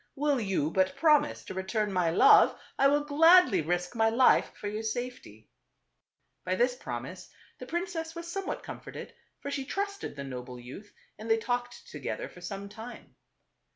Will you but promise to return my love, I will gladly risk my life for your safety." By this promise the princess was somewhat TWO BROTHERS. 301 comforted, for she trusted the noble youth and they talked together for some time.